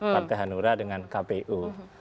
partai hanura dengan kpu